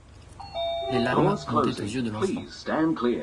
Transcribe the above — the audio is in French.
Les larmes montaient aux yeux de l’enfant.